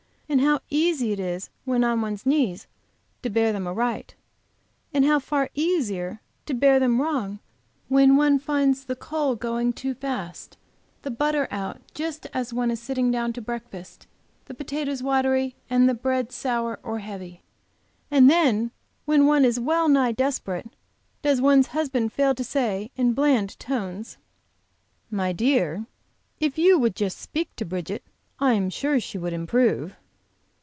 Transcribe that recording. and how easy is when on one's knees to bear them aright, and how far easier to bear them wrong when one finds the coal going too fast, the butter out just as sitting down to breakfast, the potatoes watery and the bread sour or heavy! And then when one is well nigh desperate, does one's husband fail to say, in bland tones: "My dear, if you would just speak to Bridget, I am sure she would improve."